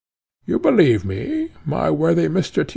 You believe me, my worthy Mr. Tyss?"